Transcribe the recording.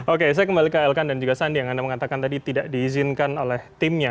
oke saya kembali ke elkan dan juga sandi yang anda mengatakan tadi tidak diizinkan oleh timnya